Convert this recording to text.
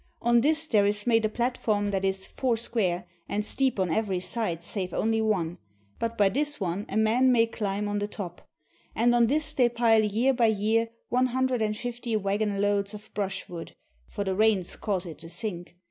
On this there is made a platform that is foursquare, and steep on every side save one only; but by this one a man may climb on the top. And on this they pile year by year one hundred and fifty wagons loads of brushwood, for the rains cause it to sink.